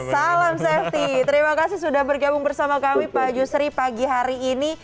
salam safety terima kasih sudah bergabung bersama kami pak yusri pagi hari ini